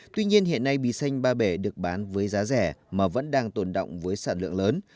tuy nhiên hiện nay bì xanh ba bể được bán với giá rẻ mà vẫn đang tồn động với sản lượng lớn